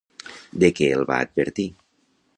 De què el va advertir?